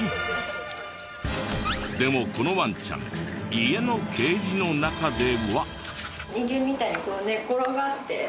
でもこのワンちゃん家のケージの中では。